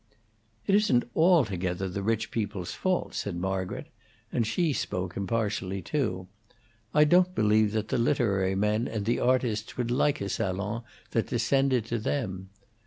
"It isn't altogether the rich people's fault," said Margaret; and she spoke impartially, too. "I don't believe that the literary men and the artists would like a salon that descended to them.